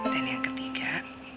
dan yang ketiga